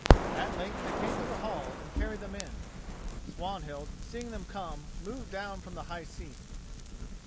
At length they came to the hall and carried them in. Swanhild, seeing them come, moved down from the high seat.